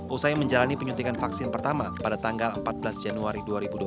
usai menjalani penyuntikan vaksin pertama pada tanggal empat belas januari dua ribu dua puluh